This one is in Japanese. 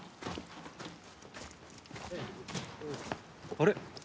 あれ？